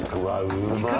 うまい。